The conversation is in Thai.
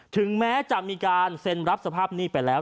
ถึงแม้จะมีการเซ็นรับสภาพหนี้ไปแล้ว